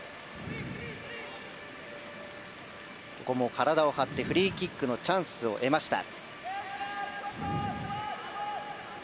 ここも体を張ってフリーキックのチャンスを得ました。